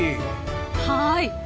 はい。